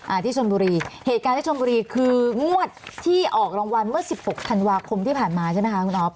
ที่ชนบุรีเหตุการณ์ที่ชนบุรีคืองวดที่ออกรางวัลเมื่อสิบหกธันวาคมที่ผ่านมาใช่ไหมคะคุณอ๊อฟ